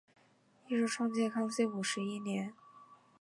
一说创建于康熙五十一年。